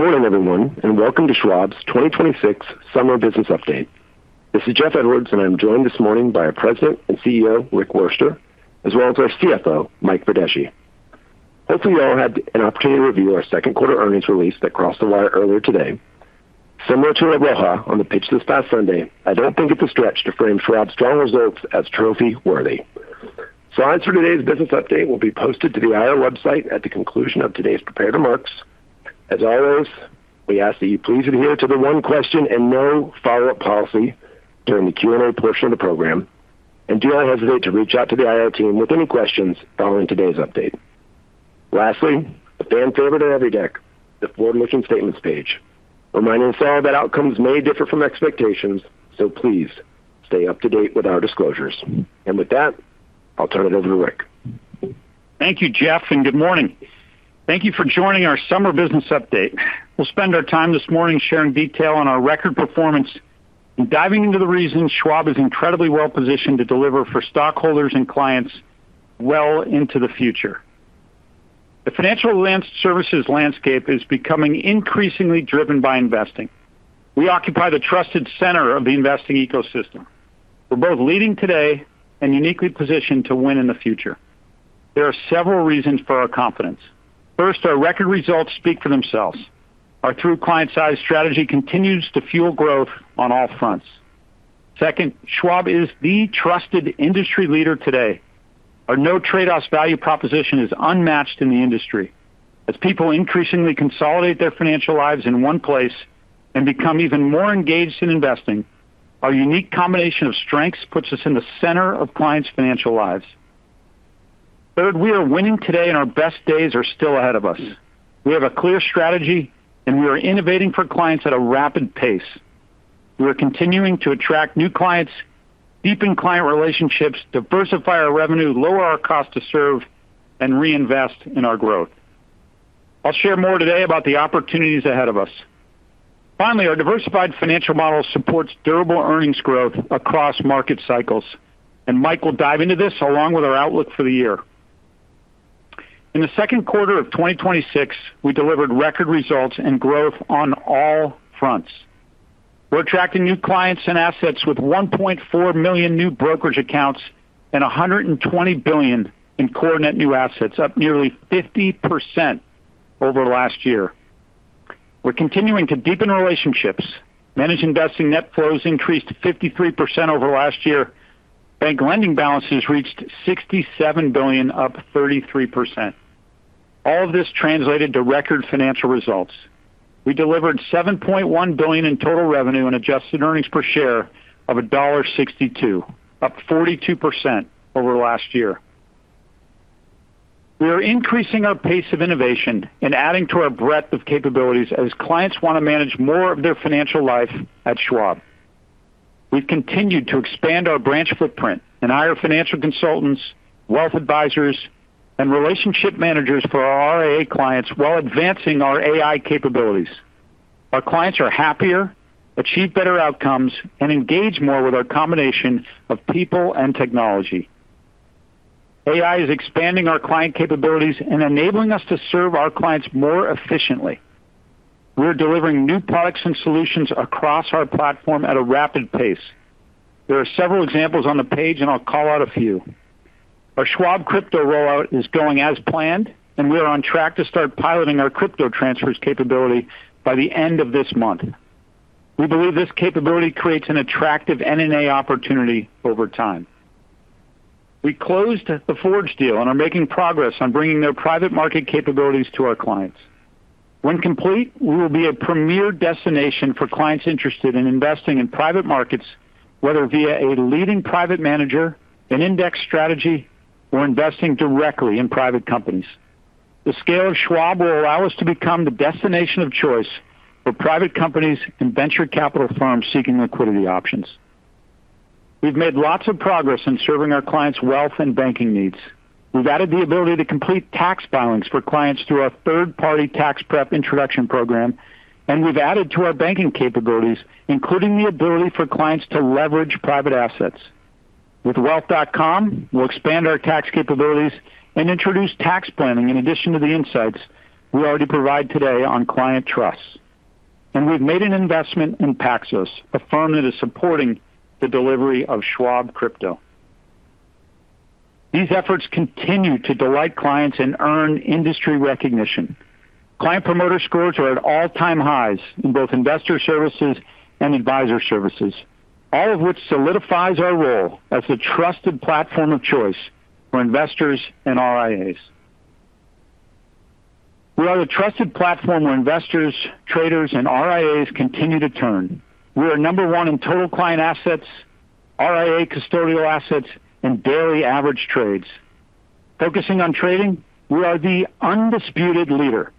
Good morning, everyone. Welcome to Schwab's 2026 summer business update. This is Jeff Edwards. I'm joined this morning by our President and CEO, Rick Wurster, as well as our CFO, Mike Verdeschi. Hopefully you all had an opportunity to review our second quarter earnings release that crossed the wire earlier today. Similar to La Roja on the pitch this past Sunday, I don't think it's a stretch to frame Schwab's strong results as trophy worthy. Slides for today's business update will be posted to the IR website at the conclusion of today's prepared remarks. As always, we ask that you please adhere to the one question and no follow-up policy during the Q&A portion of the program. Do not hesitate to reach out to the IR team with any questions following today's update. Lastly, a fan favorite on every deck, the forward-looking statements page, reminding us all that outcomes may differ from expectations. Please stay up to date with our disclosures. With that, I'll turn it over to Rick. Thank you, Jeff. Good morning. Thank you for joining our summer business update. We'll spend our time this morning sharing detail on our record performance and diving into the reasons Schwab is incredibly well-positioned to deliver for stockholders and clients well into the future. The financial services landscape is becoming increasingly driven by investing. We occupy the trusted center of the investing ecosystem. We're both leading today and uniquely positioned to win in the future. There are several reasons for our confidence. First, our record results speak for themselves. Our true client size strategy continues to fuel growth on all fronts. Second, Schwab is the trusted industry leader today. Our no trade-offs value proposition is unmatched in the industry. As people increasingly consolidate their financial lives in one place and become even more engaged in investing, our unique combination of strengths puts us in the center of clients' financial lives. Third, we are winning today. Our best days are still ahead of us. We have a clear strategy. We are innovating for clients at a rapid pace. We are continuing to attract new clients, deepen client relationships, diversify our revenue, lower our cost to serve, and reinvest in our growth. I'll share more today about the opportunities ahead of us. Finally, our diversified financial model supports durable earnings growth across market cycles. Mike will dive into this along with our outlook for the year. In the second quarter of 2026, we delivered record results and growth on all fronts. We're attracting new clients and assets with 1.4 million new brokerage accounts and $120 billion in core net new assets, up nearly 50% over last year. We're continuing to deepen relationships. Managed investing net flows increased to 53% over last year. Bank lending balances reached $67 billion, up 33%. All of this translated to record financial results. We delivered $7.1 billion in total revenue and adjusted earnings per share of $1.62, up 42% over last year. We are increasing our pace of innovation and adding to our breadth of capabilities as clients want to manage more of their financial life at Schwab. We've continued to expand our branch footprint and hire financial consultants, wealth advisors, and relationship managers for our RIA clients while advancing our AI capabilities. Our clients are happier, achieve better outcomes, and engage more with our combination of people and technology. AI is expanding our client capabilities and enabling us to serve our clients more efficiently. We're delivering new products and solutions across our platform at a rapid pace. There are several examples on the page, and I'll call out a few. Our Schwab Crypto rollout is going as planned, and we are on track to start piloting our crypto transfers capability by the end of this month. We believe this capability creates an attractive M&A opportunity over time. We closed the Forge deal and are making progress on bringing their private market capabilities to our clients. When complete, we will be a premier destination for clients interested in investing in private markets, whether via a leading private manager, an index strategy, or investing directly in private companies. The scale of Schwab will allow us to become the destination of choice for private companies and venture capital firms seeking liquidity options. We've made lots of progress in serving our clients' wealth and banking needs. We've added the ability to complete tax filings for clients through our third-party tax prep introduction program, and we've added to our banking capabilities, including the ability for clients to leverage private assets. With wealth.com, we'll expand our tax capabilities and introduce tax planning in addition to the insights we already provide today on client trusts. We've made an investment in Paxos, a firm that is supporting the delivery of Schwab Crypto. These efforts continue to delight clients and earn industry recognition. Client promoter scores are at all-time highs in both investor services and advisor services, all of which solidifies our role as the trusted platform of choice for investors and RIAs. We are the trusted platform where investors, traders, and RIAs continue to turn. We are number one in total client assets, RIA custodial assets, and daily average trades. Focusing on trading, we are the undisputed leader.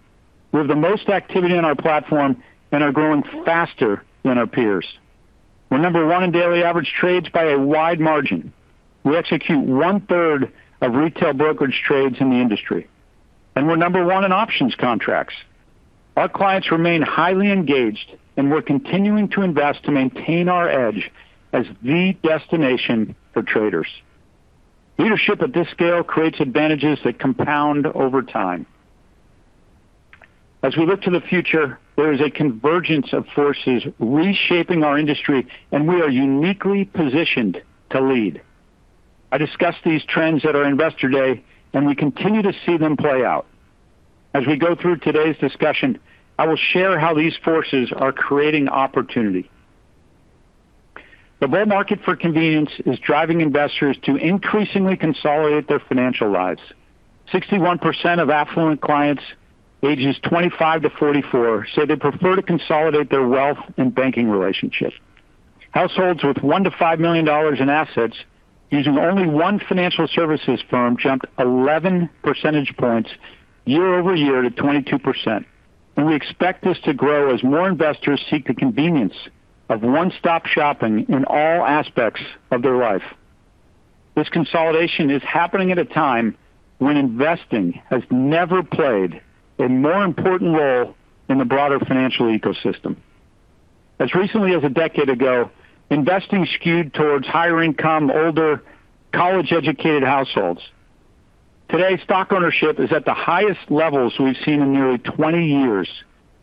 We have the most activity on our platform and are growing faster than our peers. We're number one in daily average trades by a wide margin. We execute 1/3 of retail brokerage trades in the industry, and we're number one in options contracts. Our clients remain highly engaged, and we're continuing to invest to maintain our edge as the destination for traders. Leadership at this scale creates advantages that compound over time. We look to the future, there is a convergence of forces reshaping our industry, and we are uniquely positioned to lead. I discussed these trends at our Investor Day, and we continue to see them play out. We go through today's discussion, I will share how these forces are creating opportunity. The bull market for convenience is driving investors to increasingly consolidate their financial lives. 61% of affluent clients ages 25-44 say they prefer to consolidate their wealth and banking relationship. Households with $1 million-$5 million in assets using only one financial services firm jumped 11 percentage points year-over-year to 22%, and we expect this to grow as more investors seek the convenience of one-stop shopping in all aspects of their life. This consolidation is happening at a time when investing has never played a more important role in the broader financial ecosystem. As recently as a decade ago, investing skewed towards higher income, older, college-educated households. Today, stock ownership is at the highest levels we've seen in nearly 20 years.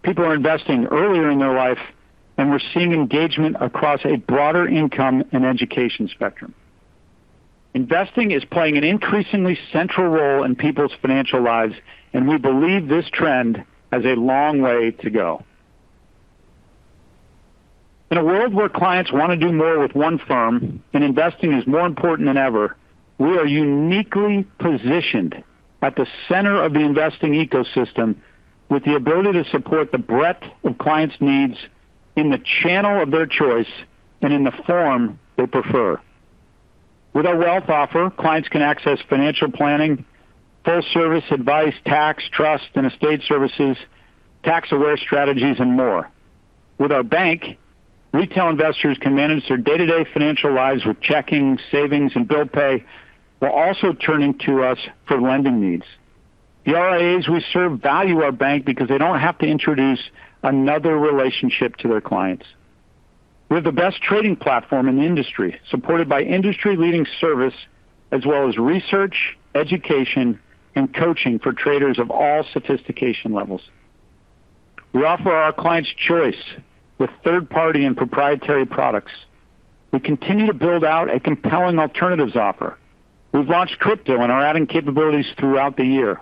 People are investing earlier in their life, and we're seeing engagement across a broader income and education spectrum. Investing is playing an increasingly central role in people's financial lives. We believe this trend has a long way to go. In a world where clients want to do more with one firm and investing is more important than ever, we are uniquely positioned at the center of the investing ecosystem with the ability to support the breadth of clients' needs in the channel of their choice and in the form they prefer. With our wealth offer, clients can access financial planning, full-service advice, tax, trust, and estate services, tax-aware strategies, and more. With our bank, retail investors can manage their day-to-day financial lives with checking, savings, and bill pay, while also turning to us for lending needs. The RIAs we serve value our bank because they don't have to introduce another relationship to their clients. We have the best trading platform in the industry, supported by industry-leading service as well as research, education, and coaching for traders of all sophistication levels. We offer our clients choice with third-party and proprietary products. We continue to build out a compelling alternatives offer. We've launched crypto and are adding capabilities throughout the year.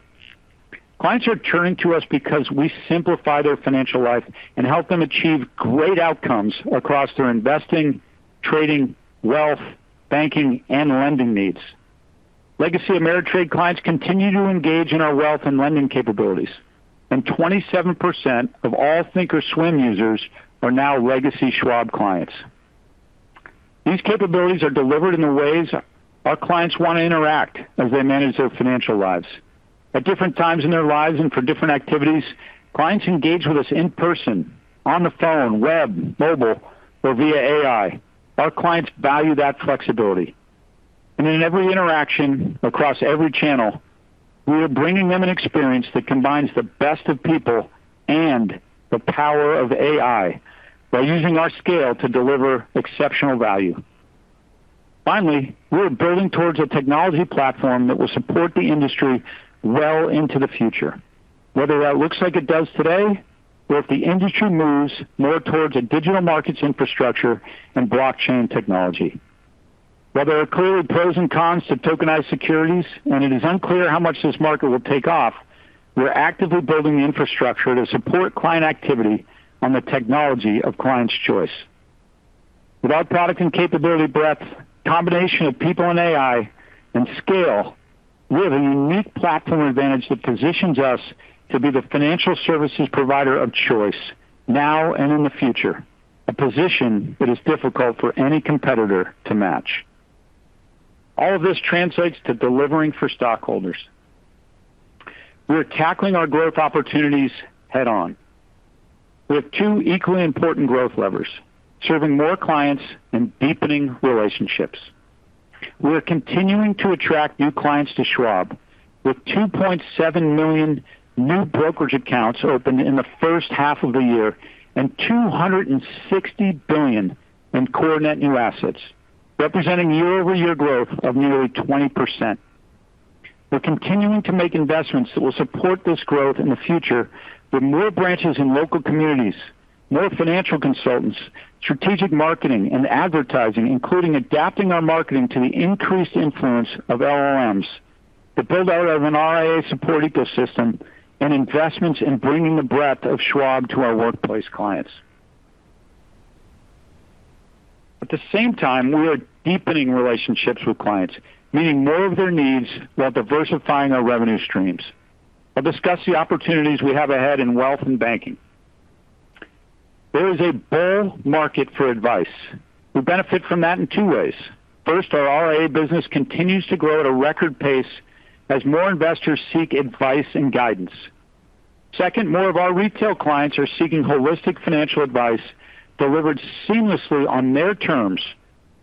Clients are turning to us because we simplify their financial life and help them achieve great outcomes across their investing, trading, wealth, banking, and lending needs. Legacy Ameritrade clients continue to engage in our wealth and lending capabilities, and 27% of all thinkorswim users are now legacy Schwab clients. These capabilities are delivered in the ways our clients want to interact as they manage their financial lives. At different times in their lives and for different activities, clients engage with us in person, on the phone, web, mobile, or via AI. Our clients value that flexibility. In every interaction across every channel, we are bringing them an experience that combines the best of people and the power of AI while using our scale to deliver exceptional value. Finally, we are building towards a technology platform that will support the industry well into the future. Whether that looks like it does today, or if the industry moves more towards a digital markets infrastructure and blockchain technology. There are clearly pros and cons to tokenized securities, and it is unclear how much this market will take off, we're actively building the infrastructure to support client activity on the technology of clients' choice. With our product and capability breadth, combination of people and AI, and scale, we have a unique platform advantage that positions us to be the financial services provider of choice now and in the future, a position that is difficult for any competitor to match. All of this translates to delivering for stockholders. We are tackling our growth opportunities head-on. We have two equally important growth levers, serving more clients and deepening relationships. We are continuing to attract new clients to Schwab with 2.7 million new brokerage accounts opened in the first half of the year and $260 billion in core net new assets, representing year-over-year growth of nearly 20%. We're continuing to make investments that will support this growth in the future with more branches in local communities, more financial consultants, strategic marketing, and advertising, including adapting our marketing to the increased influence of LLMs, the build-out of an RIA support ecosystem, and investments in bringing the breadth of Schwab to our workplace clients. At the same time, we are deepening relationships with clients, meeting more of their needs while diversifying our revenue streams. I'll discuss the opportunities we have ahead in wealth and banking. There is a bull market for advice. We benefit from that in two ways. First, our RIA business continues to grow at a record pace as more investors seek advice and guidance. Second, more of our retail clients are seeking holistic financial advice delivered seamlessly on their terms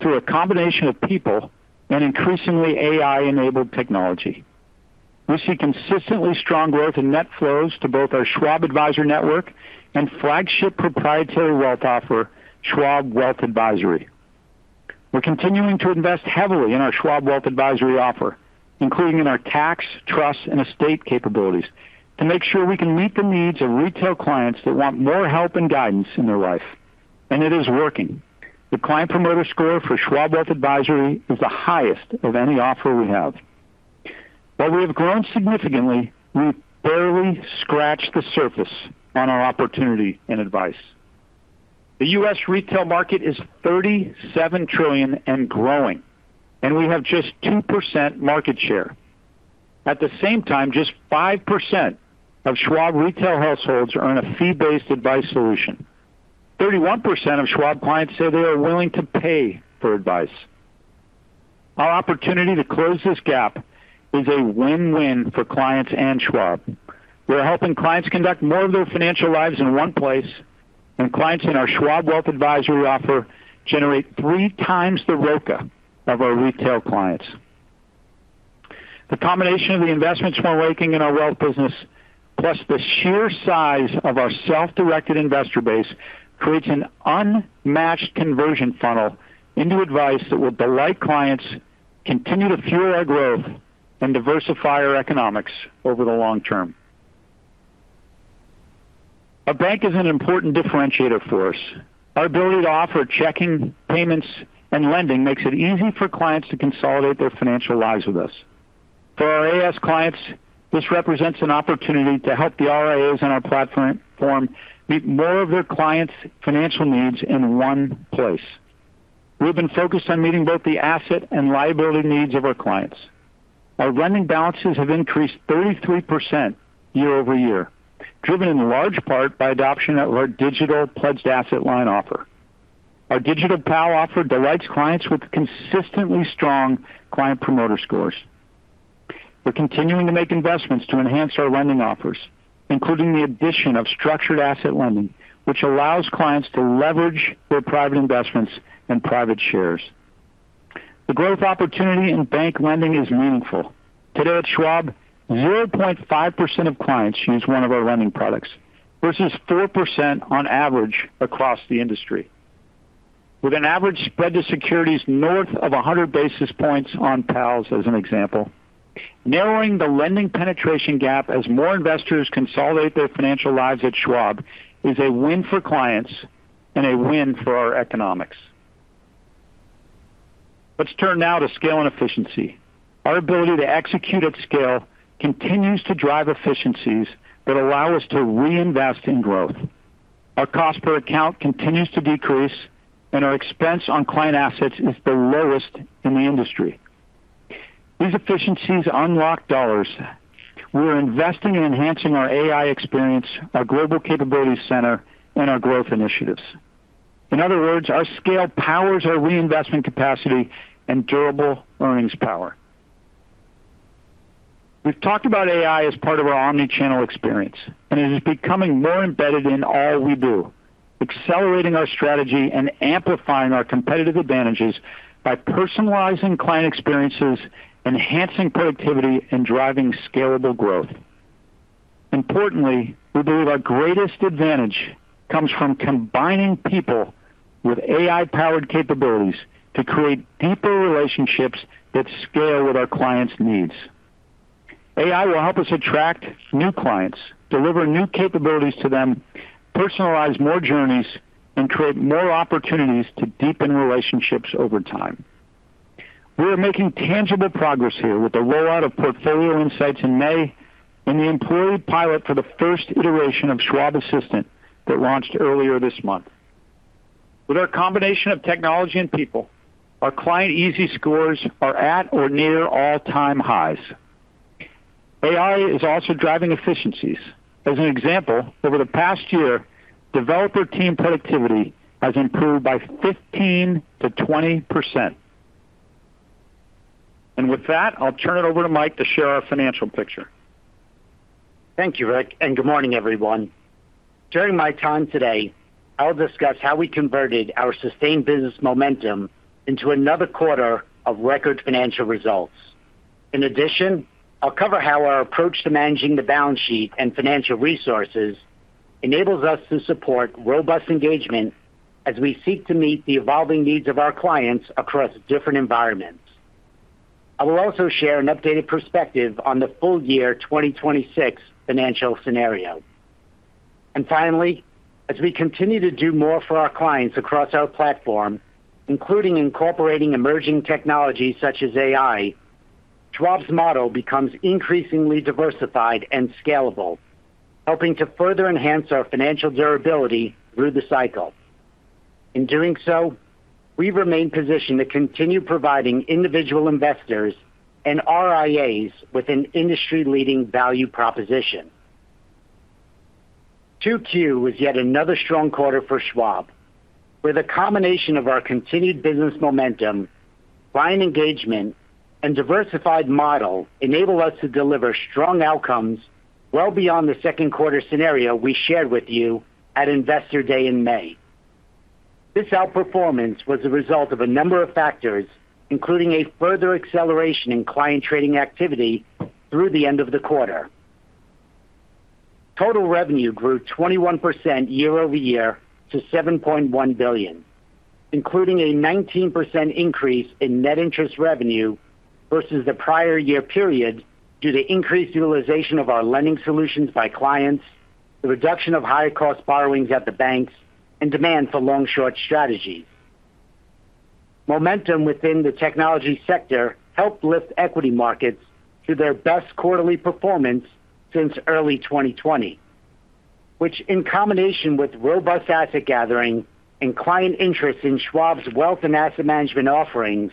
through a combination of people and increasingly AI-enabled technology. We see consistently strong growth in net flows to both our Schwab Advisor Network and flagship proprietary wealth offer, Schwab Wealth Advisory. We're continuing to invest heavily in our Schwab Wealth Advisory offer, including in our tax, trust, and estate capabilities, to make sure we can meet the needs of retail clients that want more help and guidance in their life, and it is working. The client promoter score for Schwab Wealth Advisory is the highest of any offer we have. While we have grown significantly, we've barely scratched the surface on our opportunity and advice. The U.S. retail market is $37 trillion and growing, and we have just 2% market share. At the same time, just 5% of Schwab retail households are on a fee-based advice solution. 31% of Schwab clients say they are willing to pay for advice. Our opportunity to close this gap is a win-win for clients and Schwab. We are helping clients conduct more of their financial lives in one place, and clients in our Schwab Wealth Advisory offer generate 3x the ROCA of our retail clients. The combination of the investments we're making in our wealth business, plus the sheer size of our self-directed investor base, creates an unmatched conversion funnel into advice that will delight clients, continue to fuel our growth, and diversify our economics over the long term. Our bank is an important differentiator for us. Our ability to offer checking, payments, and lending makes it easy for clients to consolidate their financial lives with us. For our AS clients, this represents an opportunity to help the RIAs on our platform meet more of their clients' financial needs in one place. We've been focused on meeting both the asset and liability needs of our clients. Our lending balances have increased 33% year-over-year, driven in large part by adoption of our digital Pledged Asset Line offer. Our digital PAL offer delights clients with consistently strong client promoter scores. We're continuing to make investments to enhance our lending offers, including the addition of structured asset lending, which allows clients to leverage their private investments and private shares. The growth opportunity in bank lending is meaningful. Today at Schwab, 0.5% of clients use one of our lending products, versus 4% on average across the industry. With an average spread to securities north of 100 basis points on PALs, as an example, narrowing the lending penetration gap as more investors consolidate their financial lives at Schwab is a win for clients and a win for our economics. Let's turn now to scale and efficiency. Our ability to execute at scale continues to drive efficiencies that allow us to reinvest in growth. Our cost per account continues to decrease and our expense on client assets is the lowest in the industry. These efficiencies unlock dollars. We're investing in enhancing our AI experience, our global capabilities center, and our growth initiatives. In other words, our scale powers our reinvestment capacity and durable earnings power. We've talked about AI as part of our omnichannel experience, it is becoming more embedded in all we do, accelerating our strategy and amplifying our competitive advantages by personalizing client experiences, enhancing productivity, and driving scalable growth. Importantly, we believe our greatest advantage comes from combining people with AI-powered capabilities to create deeper relationships that scale with our clients' needs. AI will help us attract new clients, deliver new capabilities to them, personalize more journeys, and create more opportunities to deepen relationships over time. We are making tangible progress here with the rollout of Portfolio Insights in May and the employee pilot for the first iteration of Schwab Assistant that launched earlier this month. With our combination of technology and people, our client easy scores are at or near all-time highs. AI is also driving efficiencies. As an example, over the past year, developer team productivity has improved by 15%-20%. With that, I'll turn it over to Mike to share our financial picture. Thank you, Rick, and good morning, everyone. During my time today, I'll discuss how we converted our sustained business momentum into another quarter of record financial results. In addition, I'll cover how our approach to managing the balance sheet and financial resources enables us to support robust engagement as we seek to meet the evolving needs of our clients across different environments. I will also share an updated perspective on the full year 2026 financial scenario. Finally, as we continue to do more for our clients across our platform, including incorporating emerging technologies such as AI, Schwab's model becomes increasingly diversified and scalable, helping to further enhance our financial durability through the cycle. In doing so, we remain positioned to continue providing individual investors and RIAs with an industry-leading value proposition. 2Q was yet another strong quarter for Schwab, where the combination of our continued business momentum, client engagement, and diversified model enable us to deliver strong outcomes well beyond the second quarter scenario we shared with you at Investor Day in May. This outperformance was a result of a number of factors, including a further acceleration in client trading activity through the end of the quarter. Total revenue grew 21% year-over-year to $7.1 billion, including a 19% increase in net interest revenue versus the prior year period due to increased utilization of our lending solutions by clients, the reduction of higher cost borrowings at the banks, and demand for long-short strategies. Momentum within the technology sector helped lift equity markets to their best quarterly performance since early 2020, which in combination with robust asset gathering and client interest in Schwab's wealth and asset management offerings,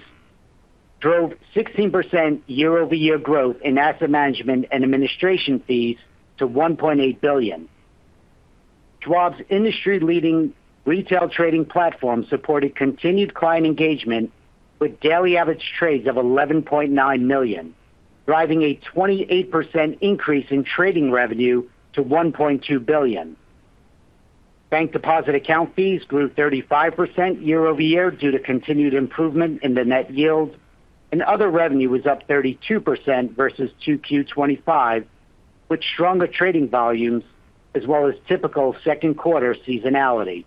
drove 16% year-over-year growth in asset management and administration fees to $1.8 billion. Schwab's industry-leading retail trading platform supported continued client engagement with daily average trades of 11.9 million, driving a 28% increase in trading revenue to $1.2 billion. Bank deposit account fees grew 35% year-over-year due to continued improvement in the net yield, other revenue was up 32% versus 2Q 2025, with stronger trading volumes as well as typical second quarter seasonality.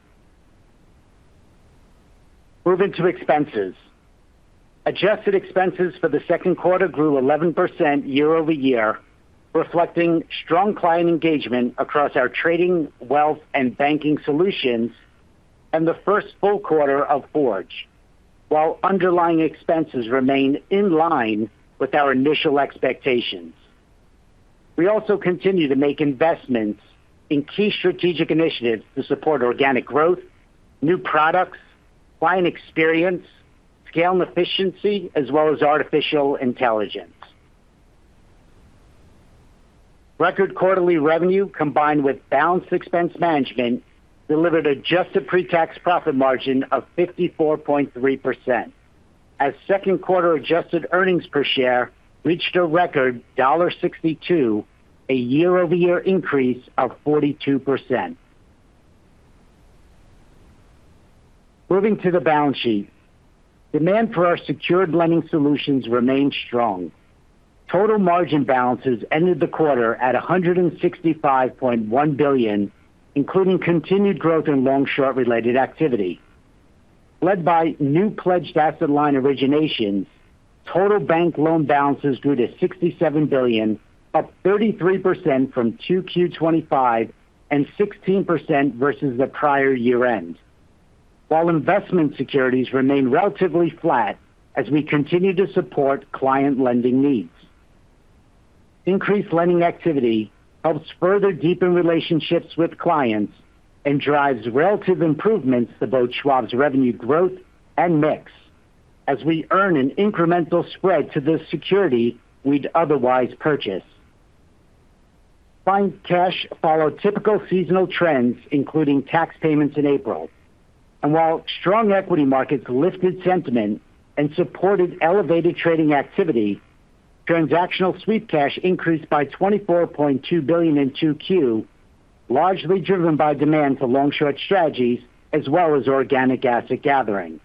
Moving to expenses. Adjusted expenses for the second quarter grew 11% year-over-year, reflecting strong client engagement across our trading, wealth, and banking solutions, and the first full quarter of Forge, while underlying expenses remain in line with our initial expectations. We also continue to make investments in key strategic initiatives to support organic growth, new products, client experience, scale and efficiency, as well as artificial intelligence. Record quarterly revenue combined with balanced expense management delivered adjusted pre-tax profit margin of 54.3%, as second quarter adjusted earnings per share reached a record $1.62, a year-over-year increase of 42%. Moving to the balance sheet. Demand for our secured lending solutions remained strong. Total margin balances ended the quarter at $165.1 billion, including continued growth in long-short related activity. Led by new Pledged Asset Line originations, total bank loan balances grew to $67 billion, up 33% from 2Q 2025 and 16% versus the prior year-end, while investment securities remain relatively flat as we continue to support client lending needs. Increased lending activity helps further deepen relationships with clients and drives relative improvements to both Schwab's revenue growth and mix as we earn an incremental spread to the security we'd otherwise purchase. Client cash followed typical seasonal trends, including tax payments in April. While strong equity markets lifted sentiment and supported elevated trading activity, transactional sweep cash increased by $24.2 billion in 2Q, largely driven by demand for long-short strategies as well as organic asset gathering.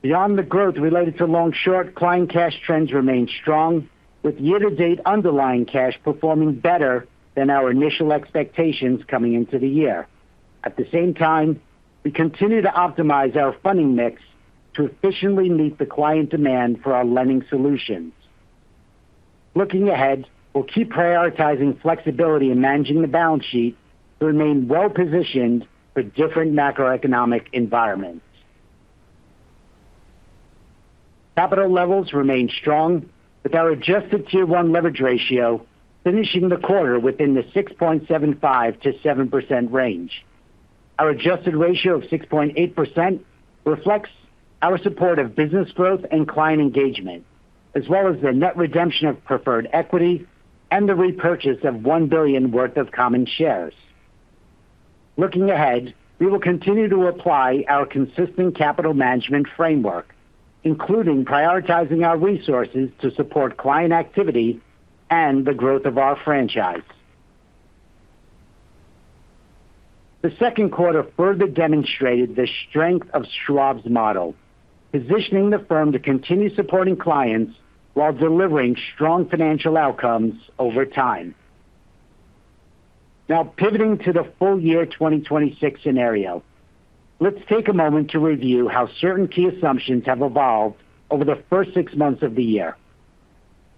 Beyond the growth related to long-short, client cash trends remain strong with year-to-date underlying cash performing better than our initial expectations coming into the year. At the same time, we continue to optimize our funding mix to efficiently meet the client demand for our lending solutions. Looking ahead, we'll keep prioritizing flexibility in managing the balance sheet to remain well-positioned for different macroeconomic environments. Capital levels remain strong, with our adjusted Tier One leverage ratio finishing the quarter within the 6.75%-7% range. Our adjusted ratio of 6.8% reflects our support of business growth and client engagement, as well as the net redemption of preferred equity and the repurchase of $1 billion worth of common shares. Looking ahead, we will continue to apply our consistent capital management framework, including prioritizing our resources to support client activity and the growth of our franchise. The second quarter further demonstrated the strength of Schwab's model, positioning the firm to continue supporting clients while delivering strong financial outcomes over time. Pivoting to the full-year 2026 scenario, let's take a moment to review how certain key assumptions have evolved over the first six months of the year.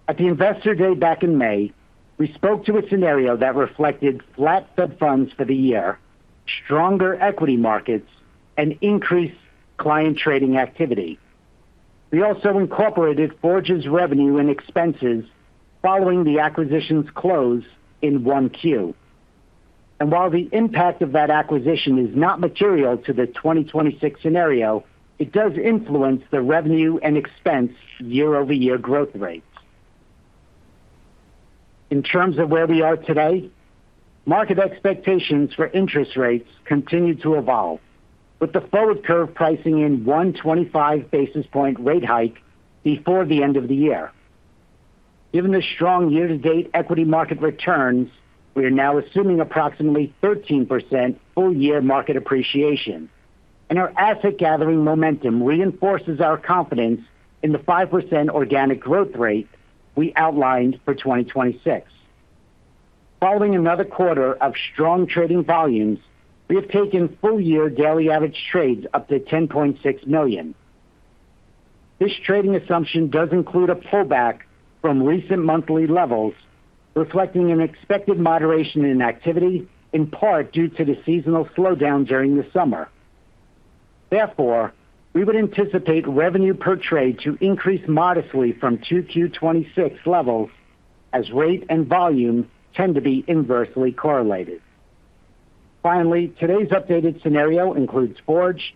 At the Investor Day back in May, we spoke to a scenario that reflected flat sub-funds for the year, stronger equity markets, and increased client trading activity. We also incorporated Forge's revenue and expenses following the acquisition's close in 1Q. While the impact of that acquisition is not material to the 2026 scenario, it does influence the revenue and expense year-over-year growth rates. In terms of where we are today, market expectations for interest rates continue to evolve, with the forward curve pricing in 125 basis point rate hike before the end of the year. Given the strong year-to-date equity market returns, we are now assuming approximately 13% full-year market appreciation. Our asset gathering momentum reinforces our confidence in the 5% organic growth rate we outlined for 2026. Following another quarter of strong trading volumes, we have taken full-year daily average trades up to 10.6 million. This trading assumption does include a pullback from recent monthly levels, reflecting an expected moderation in activity, in part due to the seasonal slowdown during the summer. Therefore, we would anticipate revenue per trade to increase modestly from 2Q 2026 levels as rate and volume tend to be inversely correlated. Finally, today's updated scenario includes Forge,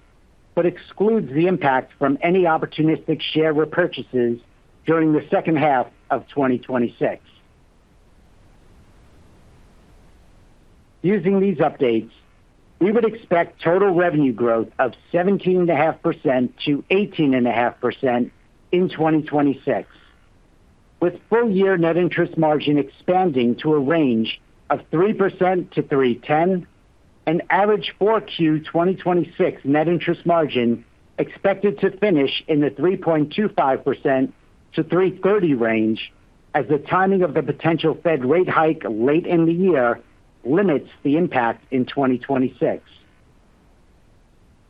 but excludes the impact from any opportunistic share repurchases during the second half of 2026. Using these updates, we would expect total revenue growth of 17.5%-18.5% in 2026. With full-year net interest margin expanding to a range of 3%-3.10%, an average 4Q 2026 net interest margin expected to finish in the 3.25%-3.30% range as the timing of the potential Fed rate hike late in the year limits the impact in 2026.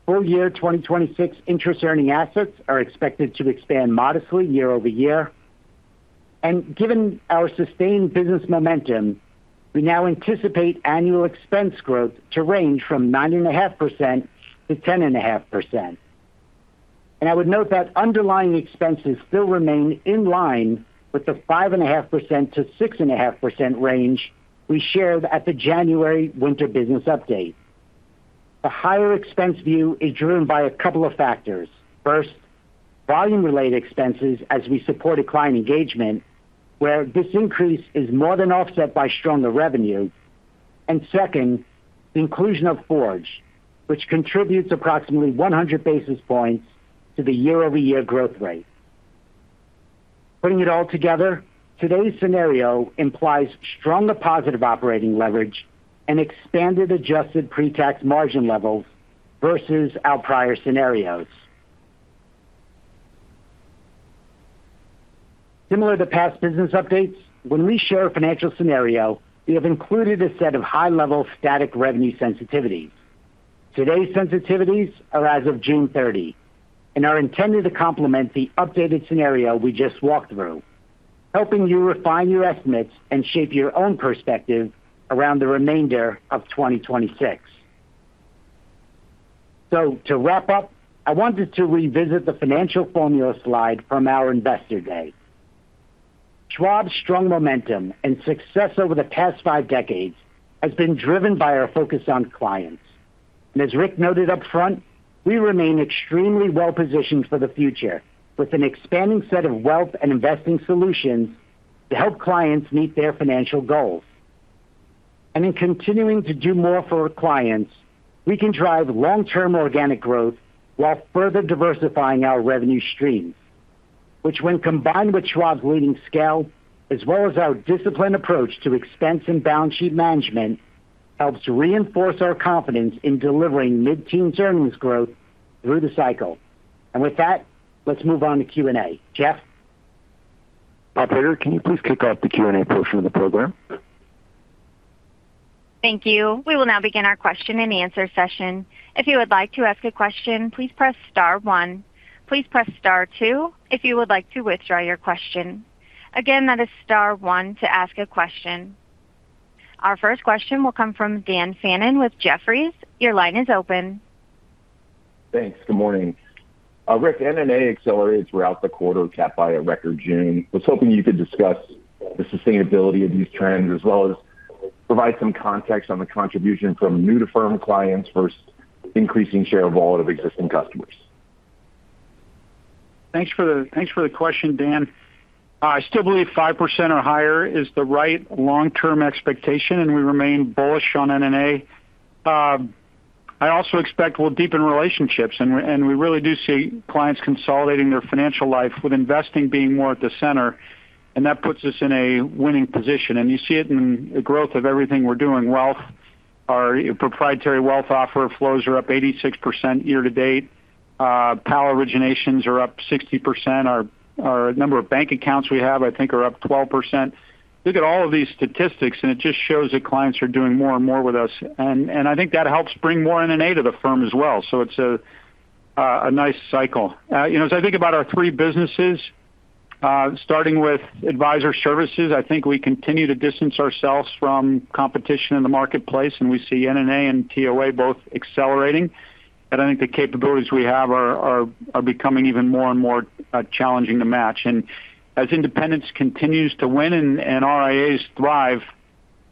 Full-year 2026 interest earning assets are expected to expand modestly year-over-year. Given our sustained business momentum, we now anticipate annual expense growth to range from 9.5%-10.5%. I would note that underlying expenses still remain in line with the 5.5%-6.5% range we shared at the January winter business update. The higher expense view is driven by a couple of factors. First, volume-related expenses as we support a client engagement, where this increase is more than offset by stronger revenue. Second, the inclusion of Forge, which contributes approximately 100 basis points to the year-over-year growth rate. Putting it all together, today's scenario implies stronger positive operating leverage and expanded adjusted pre-tax margin levels versus our prior scenarios. Similar to past business updates, when we share a financial scenario, we have included a set of high-level static revenue sensitivities. Today's sensitivities are as of June 30 and are intended to complement the updated scenario we just walked through, helping you refine your estimates and shape your own perspective around the remainder of 2026. To wrap up, I wanted to revisit the financial formula slide from our Investor Day. Schwab's strong momentum and success over the past five decades has been driven by our focus on clients. As Rick noted upfront, we remain extremely well-positioned for the future with an expanding set of wealth and investing solutions to help clients meet their financial goals. In continuing to do more for our clients, we can drive long-term organic growth while further diversifying our revenue streams. Which when combined with Schwab's leading scale, as well as our disciplined approach to expense and balance sheet management, helps reinforce our confidence in delivering mid-teen earnings growth through the cycle. With that, let's move on to Q&A. Jeff? Operator, can you please kick off the Q&A portion of the program? Thank you. We will now begin our question-and-answer session. If you would like to ask a question, please press star one. Please press star two if you would like to withdraw your question. Again, that is star one to ask a question. Our first question will come from Dan Fannon with Jefferies. Your line is open. Thanks. Good morning. Rick, NNA accelerated throughout the quarter, capped by a record June. I was hoping you could discuss the sustainability of these trends as well as provide some context on the contribution from new-to-firm clients versus increasing share of wallet of existing customers. Thanks for the question, Dan. I still believe 5% or higher is the right long-term expectation, we remain bullish on NNA. I also expect we'll deepen relationships, we really do see clients consolidating their financial life with investing being more at the center, that puts us in a winning position. You see it in the growth of everything we're doing. Wealth, our proprietary wealth offer flows are up 86% year-to-date. PAL originations are up 60%. Our number of bank accounts we have, I think, are up 12%. You look at all of these statistics, it just shows that clients are doing more and more with us. I think that helps bring more NNA to the firm as well. It's a nice cycle. As I think about our three businesses, starting with Advisor Services, I think we continue to distance ourselves from competition in the marketplace, we see NNA and TOA both accelerating. I think the capabilities we have are becoming even more and more challenging to match. As independence continues to win and RIAs thrive,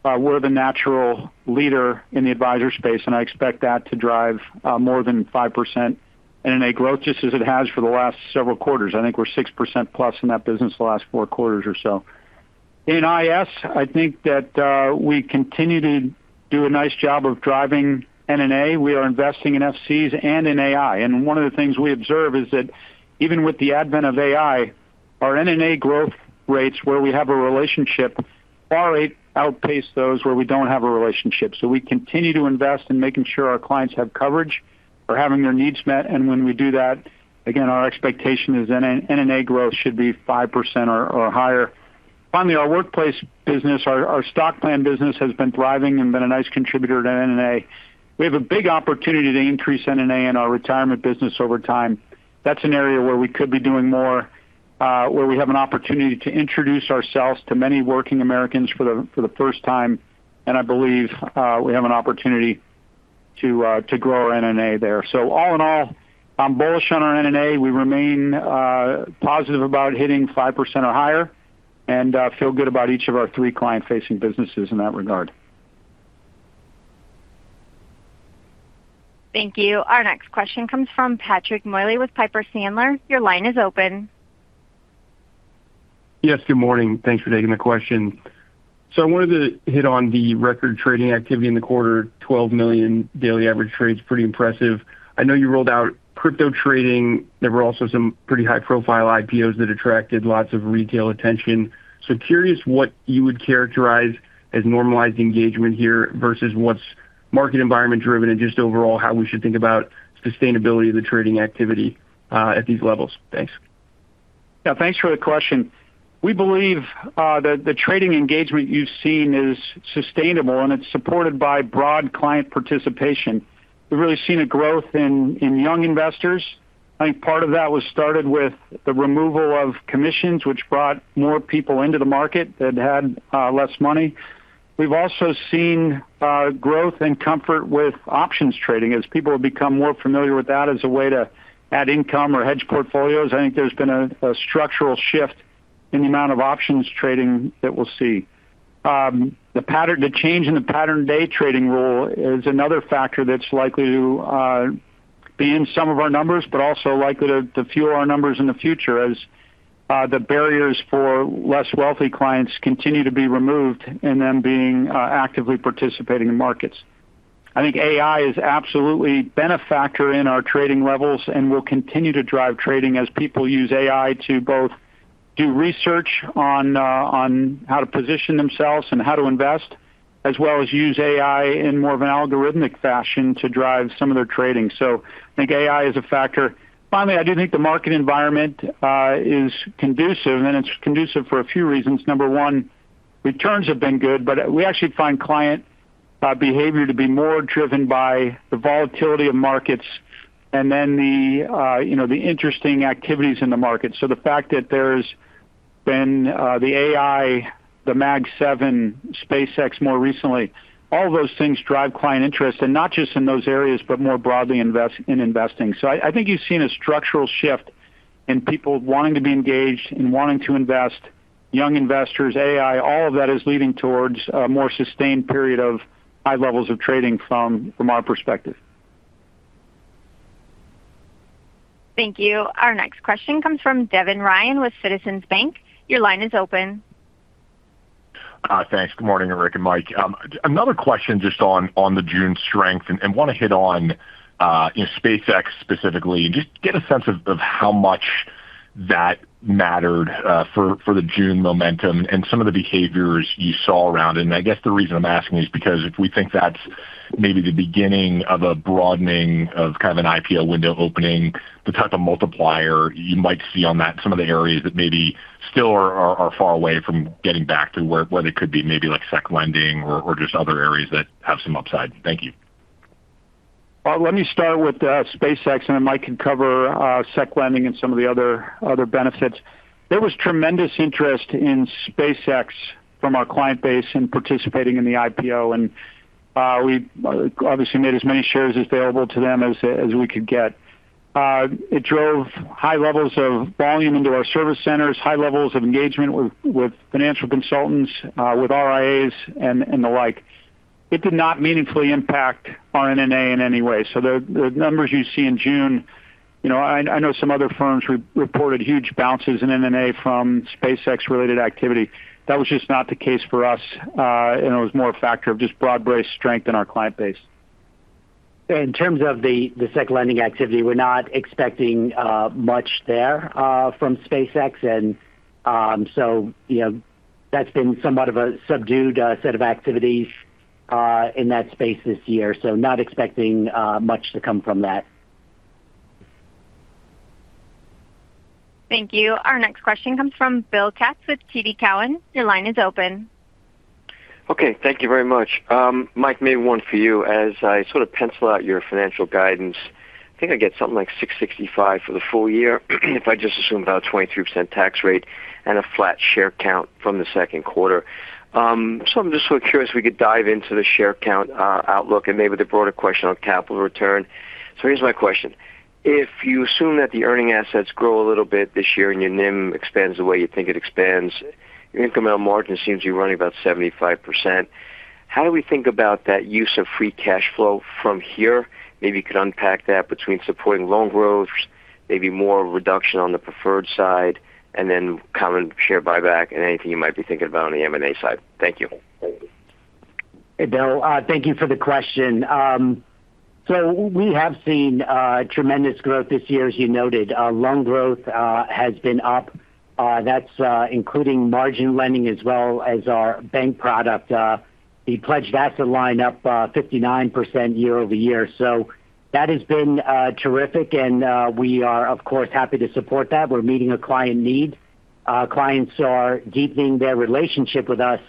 we're the natural leader in the advisor space, I expect that to drive more than 5% NNA growth, just as it has for the last several quarters. I think we're 6%+ in that business the last four quarters or so. In IS, I think that we continue to do a nice job of driving NNA. We are investing in FCs and in AI. One of the things we observe is that even with the advent of AI, our NNA growth rates where we have a relationship far outpace those where we don't have a relationship. We continue to invest in making sure our clients have coverage for having their needs met. When we do that, again, our expectation is NNA growth should be 5% or higher. Finally, our workplace business, our stock plan business, has been thriving and been a nice contributor to NNA. We have a big opportunity to increase NNA in our retirement business over time. That's an area where we could be doing more, where we have an opportunity to introduce ourselves to many working Americans for the first time. I believe we have an opportunity to grow our NNA there. All in all, I'm bullish on our NNA. We remain positive about hitting 5% or higher and feel good about each of our three client-facing businesses in that regard. Thank you. Our next question comes from Patrick Moley with Piper Sandler. Your line is open. Yes, good morning. Thanks for taking the question. I wanted to hit on the record trading activity in the quarter, 12 million daily average trades. Pretty impressive. I know you rolled out crypto trading. There were also some pretty high-profile IPOs that attracted lots of retail attention. Curious what you would characterize as normalized engagement here versus what's market environment driven, and just overall how we should think about sustainability of the trading activity at these levels. Thanks. Yeah, thanks for the question. We believe that the trading engagement you've seen is sustainable, and it's supported by broad client participation. We've really seen a growth in young investors. I think part of that was started with the removal of commissions, which brought more people into the market that had less money. We've also seen growth and comfort with options trading as people have become more familiar with that as a way to add income or hedge portfolios. I think there's been a structural shift in the amount of options trading that we'll see. The change in the pattern day trader rule is another factor that's likely to be in some of our numbers, but also likely to fuel our numbers in the future as the barriers for less wealthy clients continue to be removed and them being actively participating in markets. AI is absolutely been a factor in our trading levels and will continue to drive trading as people use AI to both do research on how to position themselves and how to invest, as well as use AI in more of an algorithmic fashion to drive some of their trading. I think AI is a factor. Finally, I do think the market environment is conducive, and it's conducive for a few reasons. Number one, returns have been good, but we actually find client behavior to be more driven by the volatility of markets and then the interesting activities in the market. The fact that there's been the AI, the Mag Seven, SpaceX more recently, all those things drive client interest, and not just in those areas, but more broadly in investing. I think you've seen a structural shift in people wanting to be engaged and wanting to invest, young investors, AI, all of that is leading towards a more sustained period of high levels of trading from our perspective. Thank you. Our next question comes from Devin Ryan with Citizens Bank. Your line is open. Thanks. Good morning, Rick and Mike. Another question just on the June strength and want to hit on SpaceX specifically and just get a sense of how much that mattered for the June momentum and some of the behaviors you saw around it. I guess the reason I'm asking is because if we think that's maybe the beginning of a broadening of kind of an IPO window opening, the type of multiplier you might see on that, some of the areas that maybe still are far away from getting back to where they could be, maybe like securities lending or just other areas that have some upside. Thank you. Let me start with SpaceX, and then Mike can cover securities lending and some of the other benefits. There was tremendous interest in SpaceX from our client base in participating in the IPO, and we obviously made as many shares available to them as we could get. It drove high levels of volume into our service centers, high levels of engagement with financial consultants, with RIAs and the like. It did not meaningfully impact our NNA in any way. The numbers you see in June, I know some other firms reported huge bounces in NNA from SpaceX-related activity. That was just not the case for us. It was more a factor of just broad-based strength in our client base. In terms of the securities lending activity, we're not expecting much there from SpaceX. That's been somewhat of a subdued set of activities in that space this year. Not expecting much to come from that. Thank you. Our next question comes from Bill Katz with TD Cowen. Your line is open. Okay. Thank you very much. Mike, maybe one for you. As I sort of pencil out your financial guidance, I think I get something like $665 for the full year if I just assume about a 23% tax rate and a flat share count from the second quarter. I'm just sort of curious if we could dive into the share count outlook and maybe the broader question on capital return. Here's my question. If you assume that the earning assets grow a little bit this year and your NIM expands the way you think it expands, your income margin seems you're running about 75%. How do we think about that use of free cash flow from here? Maybe you could unpack that between supporting loan growth, maybe more reduction on the preferred side, and common share buyback and anything you might be thinking about on the M&A side. Thank you. Hey, Bill. Thank you for the question. We have seen tremendous growth this year as you noted. Loan growth has been up. That's including margin lending as well as our bank product. The Pledged Asset Line up 59% year-over-year. That has been terrific and we are of course happy to support that. We're meeting a client need. Clients are deepening their relationship with us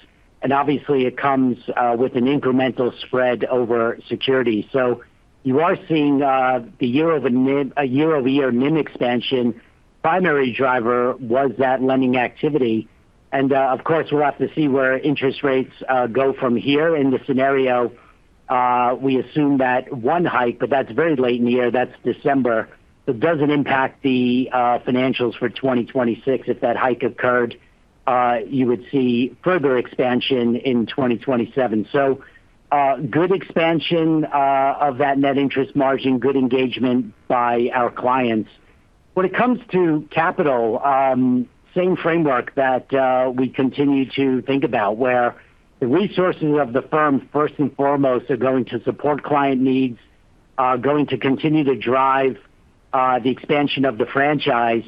and obviously it comes with an incremental spread over security. You are seeing the year-over-year NIM expansion. Primary driver was that lending activity. Of course, we'll have to see where interest rates go from here. In the scenario we assume that one hike, but that's very late in the year, that's December. It doesn't impact the financials for 2026 if that hike occurred. You would see further expansion in 2027. Good expansion of that net interest margin, good engagement by our clients. When it comes to capital, same framework that we continue to think about where the resourcing of the firm first and foremost are going to support client needs, are going to continue to drive the expansion of the franchise.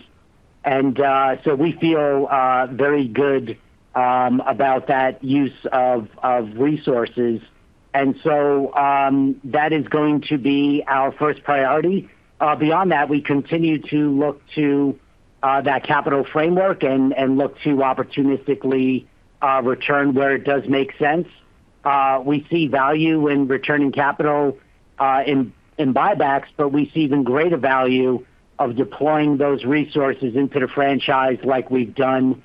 We feel very good about that use of resources. That is going to be our first priority. Beyond that, we continue to look to that capital framework and look to opportunistically return where it does make sense. We see value in returning capital in buybacks, we see even greater value of deploying those resources into the franchise like we've done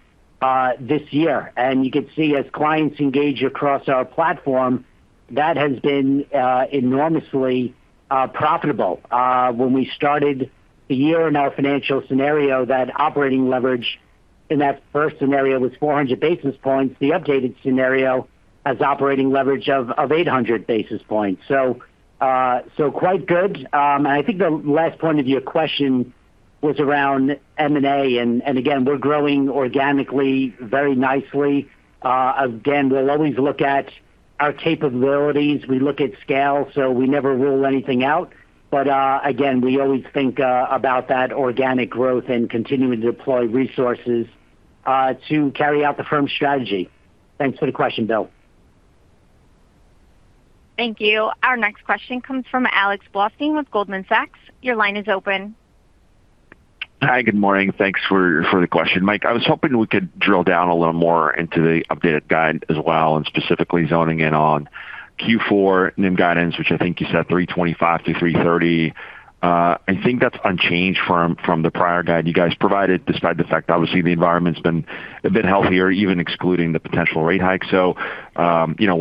this year. You can see as clients engage across our platform, that has been enormously profitable. When we started the year in our financial scenario, that operating leverage in that first scenario was 400 basis points. The updated scenario has operating leverage of 800 basis points. Quite good. I think the last point of your question was around M&A. Again, we're growing organically very nicely. Again, we'll always look at our capabilities. We look at scale, we never rule anything out. Again, we always think about that organic growth and continuing to deploy resources to carry out the firm's strategy. Thanks for the question, Bill. Thank you. Our next question comes from Alex Blostein with Goldman Sachs. Your line is open. Hi, good morning. Thanks for the question. Mike, I was hoping we could drill down a little more into the updated guide as well, specifically zoning in on Q4 NIM guidance, which I think you said 3.25%-3.30%. I think that's unchanged from the prior guide you guys provided despite the fact obviously the environment's been healthier even excluding the potential rate hike.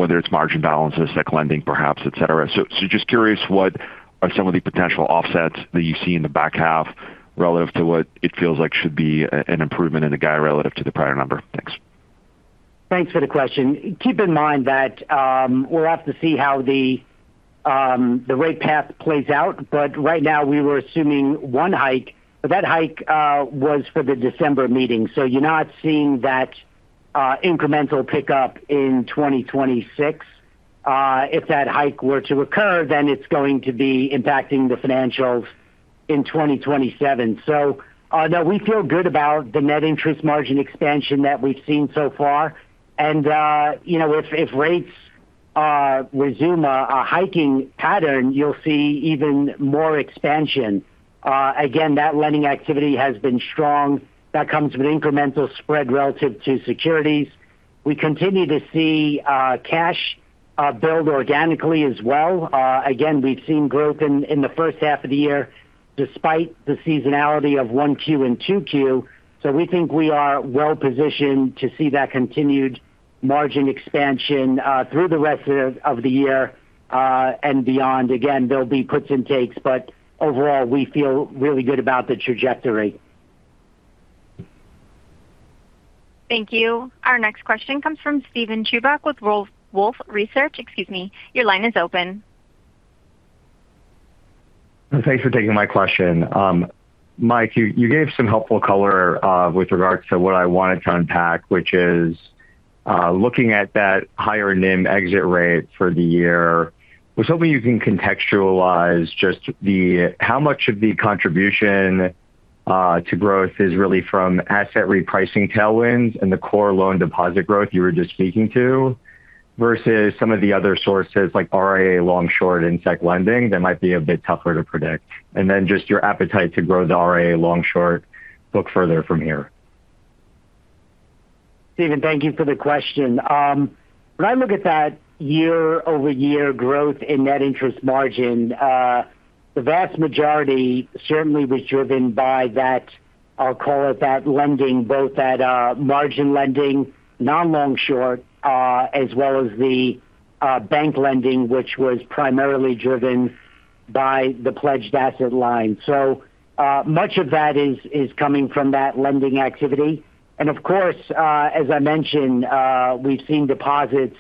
Whether it's margin balances, securities lending perhaps, etc. Just curious, what are some of the potential offsets that you see in the back half relative to what it feels like should be an improvement in the guide relative to the prior number? Thanks. Thanks for the question. Keep in mind that we'll have to see how the rate path plays out. Right now we were assuming one hike. That hike was for the December meeting so you're not seeing that incremental pickup in 2026. If that hike were to occur it's going to be impacting the financials in 2027. No, we feel good about the net interest margin expansion that we've seen so far. If rates resume a hiking pattern you'll see even more expansion. Again, that lending activity has been strong. That comes with incremental spread relative to securities. We continue to see cash build organically as well. Again, we've seen growth in the first half of the year despite the seasonality of 1Q and 2Q. We think we are well positioned to see that continued margin expansion through the rest of the year and beyond. Again, there'll be puts and takes, overall, we feel really good about the trajectory. Thank you. Our next question comes from Steven Chubak with Wolfe Research. Excuse me. Your line is open. Thanks for taking my question. Mike, you gave some helpful color with regards to what I wanted to unpack which is looking at that higher NIM exit rate for the year. I was hoping you can contextualize just how much of the contribution to growth is really from asset repricing tailwinds and the core loan deposit growth you were just speaking to versus some of the other sources like RIA long-short and securities lending that might be a bit tougher to predict. Then just your appetite to grow the RIA long-short look further from here. Steven, thank you for the question. When I look at that year-over-year growth in net interest margin the vast majority certainly was driven by that, I'll call it that lending both at margin lending, non-long-short as well as the bank lending which was primarily driven by the Pledged Asset Line. Much of that is coming from that lending activity. Of course, as I mentioned, we've seen deposits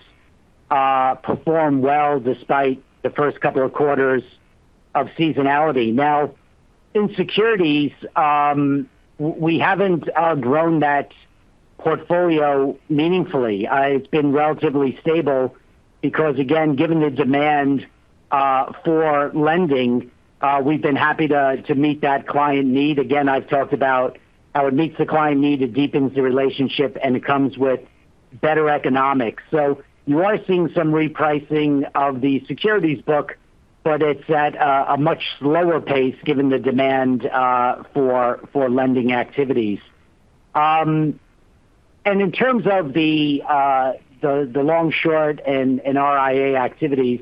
perform well despite the first couple of quarters of seasonality. Now, in securities, we haven't grown that portfolio meaningfully. It's been relatively stable because, again, given the demand for lending, we've been happy to meet that client need. Again, I've talked about how it meets the client need, it deepens the relationship, and it comes with better economics. You are seeing some repricing of the securities book, but it's at a much slower pace given the demand for lending activities. In terms of the long-short and RIA activities,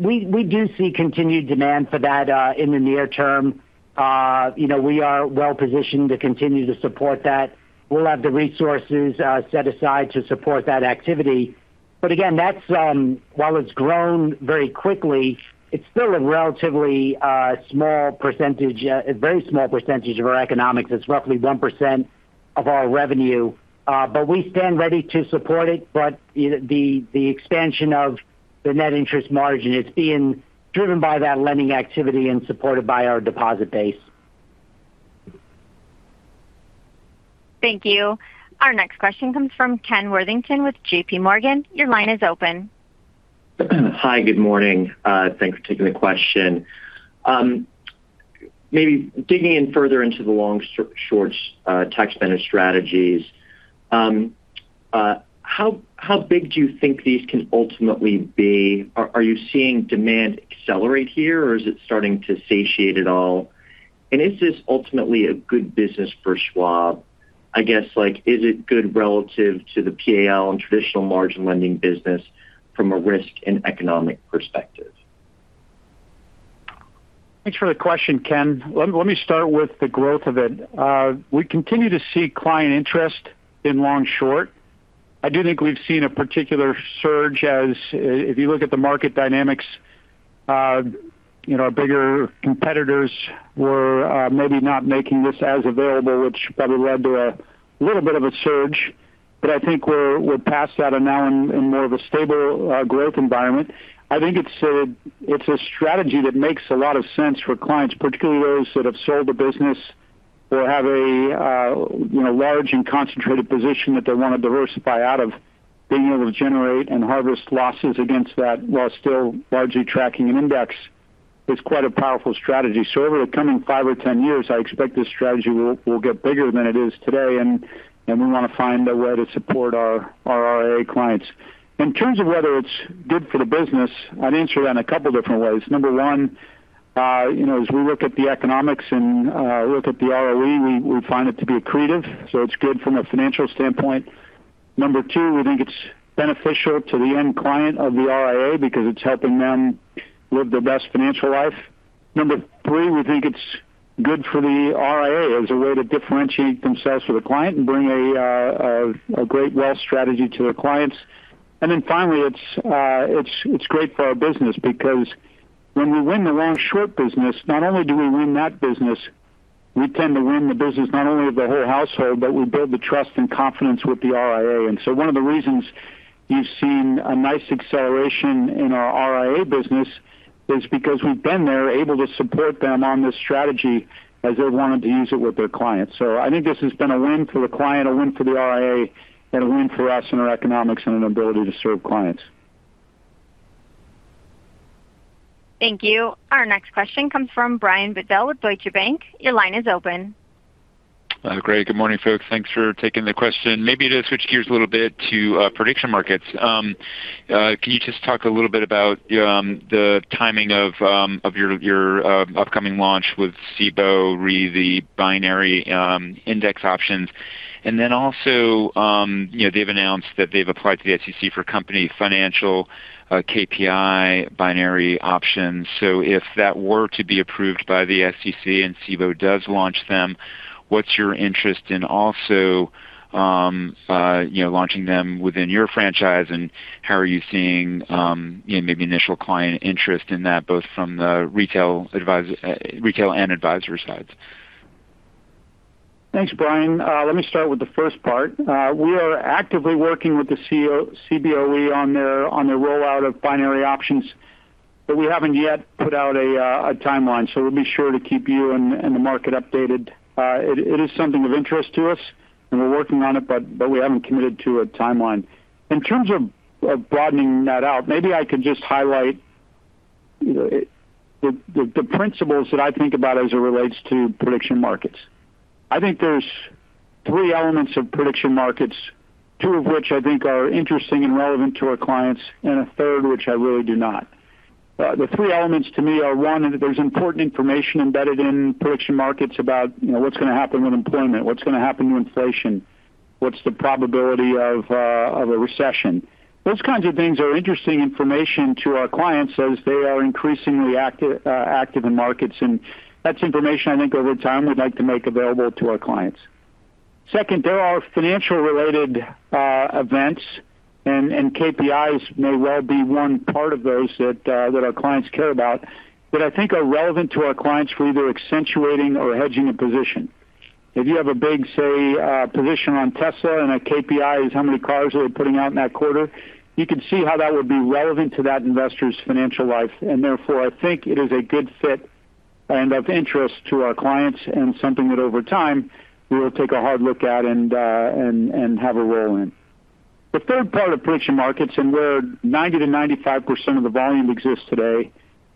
we do see continued demand for that in the near term. We are well-positioned to continue to support that. We'll have the resources set aside to support that activity. Again, while it's grown very quickly, it's still a very small percentage of our economics. It's roughly 1% of our revenue. We stand ready to support it. The expansion of the net interest margin is being driven by that lending activity and supported by our deposit base. Thank you. Our next question comes from Ken Worthington with JPMorgan. Your line is open. Hi, good morning. Thanks for taking the question. Maybe digging in further into the long-short tax managed strategies, how big do you think these can ultimately be? Are you seeing demand accelerate here, or is it starting to satiate at all? Is this ultimately a good business for Schwab? I guess, is it good relative to the PAL and traditional margin lending business from a risk and economic perspective? Thanks for the question, Ken. Let me start with the growth of it. We continue to see client interest in long-short. I do think we've seen a particular surge as, if you look at the market dynamics, bigger competitors were maybe not making this as available, which probably led to a little bit of a surge. I think we're past that and now in more of a stable growth environment. I think it's a strategy that makes a lot of sense for clients, particularly those that have sold a business or have a large and concentrated position that they want to diversify out of. Being able to generate and harvest losses against that while still largely tracking an index is quite a powerful strategy. Over the coming five or 10 years, I expect this strategy will get bigger than it is today, and we want to find a way to support our RIA clients. In terms of whether it's good for the business, I'd answer that in a couple different ways. Number one, as we look at the economics and look at the ROE, we find it to be accretive. It's good from a financial standpoint. Number two, we think it's beneficial to the end client of the RIA because it's helping them live their best financial life. Number three, we think it's good for the RIA as a way to differentiate themselves from the client and bring a great wealth strategy to their clients. Finally, it's great for our business because when we win the long-short business, not only do we win that business, we tend to win the business not only of the whole household, but we build the trust and confidence with the RIA. One of the reasons you've seen a nice acceleration in our RIA business is because we've been there, able to support them on this strategy as they've wanted to use it with their clients. I think this has been a win for the client, a win for the RIA, and a win for us and our economics and an ability to serve clients. Thank you. Our next question comes from Brian Bedell with Deutsche Bank. Your line is open. Great. Good morning, folks. Thanks for taking the question. Maybe to switch gears a little bit to prediction markets. Can you just talk a little bit about the timing of your upcoming launch with Cboe, re the binary index options? Also, they've announced that they've applied to the SEC for company financial KPI binary options. If that were to be approved by the SEC and Cboe does launch them, what's your interest in also launching them within your franchise and how are you seeing maybe initial client interest in that, both from the retail and advisor sides? Thanks, Brian. Let me start with the first part. We are actively working with the Cboe on their rollout of binary options, but we haven't yet put out a timeline. We'll be sure to keep you and the market updated. It is something of interest to us, and we're working on it, but we haven't committed to a timeline. In terms of broadening that out, maybe I could just highlight the principles that I think about as it relates to prediction markets. I think there's three elements of prediction markets, two of which I think are interesting and relevant to our clients, and a third which I really do not. The three elements to me are, one, that there's important information embedded in prediction markets about what's going to happen with employment, what's going to happen to inflation, what's the probability of a recession. Those kinds of things are interesting information to our clients as they are increasingly active in markets. That's information I think over time we'd like to make available to our clients. Second, there are financial-related events. KPIs may well be one part of those that our clients care about, that I think are relevant to our clients for either accentuating or hedging a position. If you have a big, say, position on Tesla, a KPI is how many cars they're putting out in that quarter, you could see how that would be relevant to that investor's financial life. Therefore, I think it is a good fit and of interest to our clients and something that over time we will take a hard look at and have a role in. The three parts of prediction markets and where 90%-95% of the volume exists today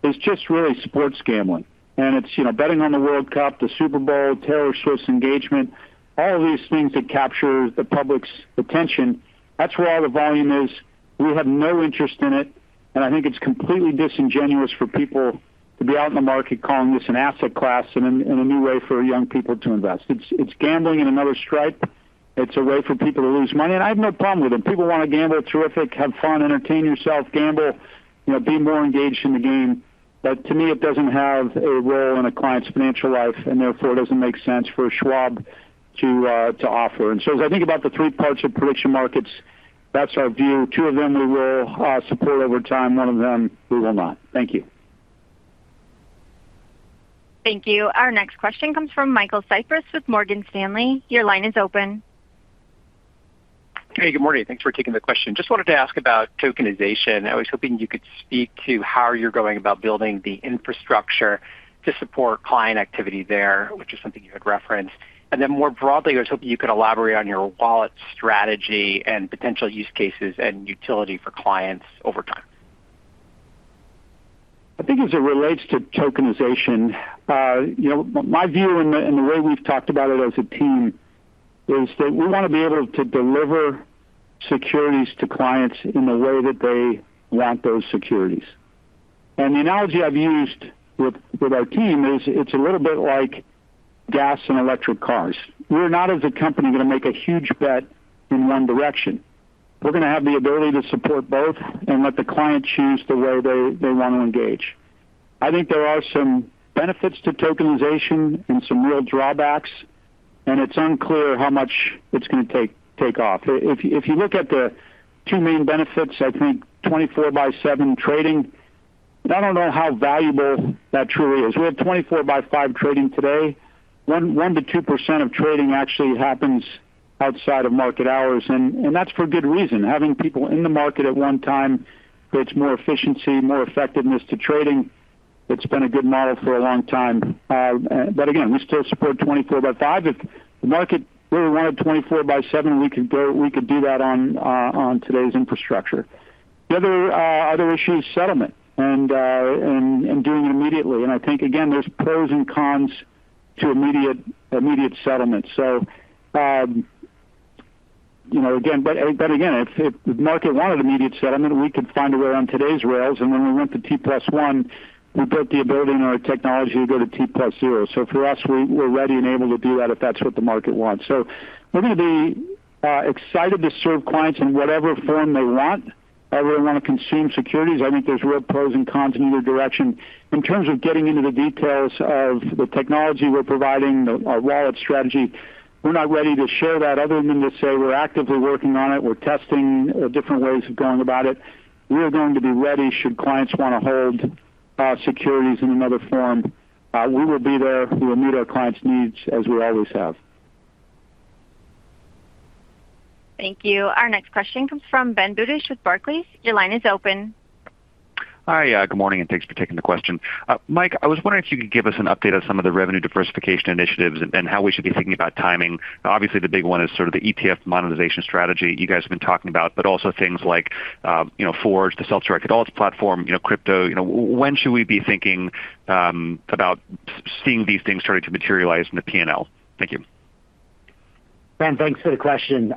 is just really sports gambling. It's betting on the World Cup, the Super Bowl, Taylor Swift's engagement, all of these things that capture the public's attention. That's where all the volume is. We have no interest in it. I think it's completely disingenuous for people to be out in the market calling this an asset class and a new way for young people to invest. It's gambling in another stripe. It's a way for people to lose money. I have no problem with it. People want to gamble, terrific. Have fun, entertain yourself, gamble, be more engaged in the game. To me, it doesn't have a role in a client's financial life. Therefore, it doesn't make sense for Schwab to offer. As I think about the three parts of prediction markets, that's our view. Two of them we will support over time, one of them we will not. Thank you. Thank you. Our next question comes from Michael Cyprys with Morgan Stanley. Your line is open. Hey, good morning. Thanks for taking the question. Just wanted to ask about tokenization. I was hoping you could speak to how you're going about building the infrastructure to support client activity there, which is something you had referenced. More broadly, I was hoping you could elaborate on your wallet strategy and potential use cases and utility for clients over time. I think as it relates to tokenization, my view and the way we've talked about it as a team is that we want to be able to deliver securities to clients in the way that they want those securities. The analogy I've used with our team is it's a little bit like gas and electric cars. We're not, as a company, going to make a huge bet in one direction. We're going to have the ability to support both and let the client choose the way they want to engage. I think there are some benefits to tokenization and some real drawbacks, and it's unclear how much it's going to take off. If you look at the two main benefits, I think 24/7 trading, and I don't know how valuable that truly is. We have 24/5 trading today. 1%-2% of trading actually happens outside of market hours, that's for good reason. Having people in the market at one time creates more efficiency, more effectiveness to trading. It's been a good model for a long time. Again, we still support 24/5. If the market really wanted 24/7, we could do that on today's infrastructure. The other issue is settlement and doing it immediately. I think, again, there's pros and cons to immediate settlement. Again, if the market wanted immediate settlement, we could find a way on today's rails. When we went to T+1, we built the ability in our technology to go to T+0. For us, we're ready and able to do that if that's what the market wants. We're going to be excited to serve clients in whatever form they want. However they want to consume securities, I think there's real pros and cons in either direction. In terms of getting into the details of the technology we're providing, our wallet strategy, we're not ready to share that other than to say we're actively working on it. We're testing different ways of going about it. We are going to be ready should clients want to hold securities in another form. We will be there. We will meet our clients' needs as we always have. Thank you. Our next question comes from Ben Budish with Barclays. Your line is open. Hi. Good morning. Thanks for taking the question. Mike, I was wondering if you could give us an update on some of the revenue diversification initiatives and how we should be thinking about timing. Obviously, the big one is sort of the ETF monetization strategy you guys have been talking about. Also, things like Forge, the self-directed alts platform, crypto. When should we be thinking about seeing these things starting to materialize in the P&L? Thank you. Ben, thanks for the question.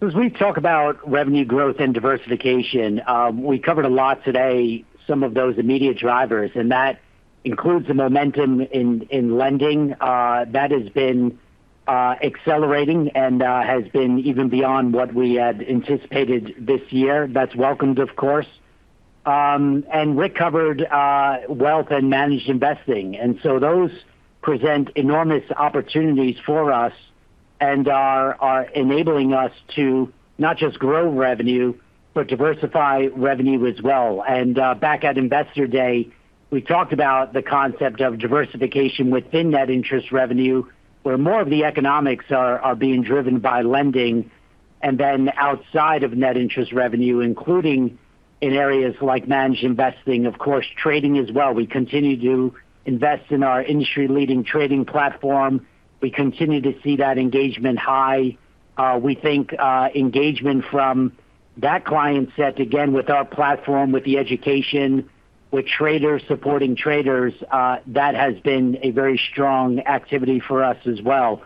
As we talk about revenue growth and diversification, we covered a lot today, some of those immediate drivers. That includes the momentum in lending. That has been accelerating and has been even beyond what we had anticipated this year. That's welcomed, of course. Rick covered wealth and managed investing, so those present enormous opportunities for us and are enabling us to not just grow revenue, but diversify revenue as well. Back at Investor Day, we talked about the concept of diversification within net interest revenue, where more of the economics are being driven by lending, then outside of net interest revenue, including in areas like managed investing, of course, trading as well. We continue to invest in our industry-leading trading platform. We continue to see that engagement high. We think engagement from that client set, again, with our platform, with the education, with traders supporting traders, that has been a very strong activity for us as well.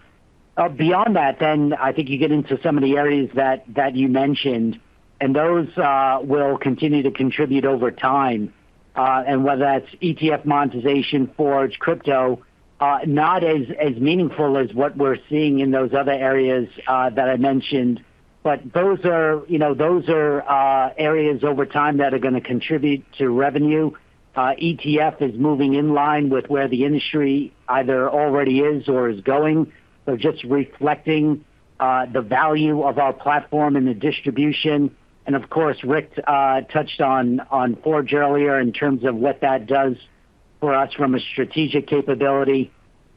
Beyond that, then I think you get into some of the areas that you mentioned. Those will continue to contribute over time. Whether that's ETF monetization, Forge, crypto, not as meaningful as what we're seeing in those other areas that I mentioned. Those are areas over time that are going to contribute to revenue. ETF is moving in line with where the industry either already is or is going. Just reflecting the value of our platform and the distribution, of course, Rick touched on Forge earlier in terms of what that does for us from a strategic capability